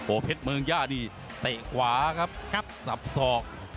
เพชรเมืองย่านี่เตะขวาครับสับสอก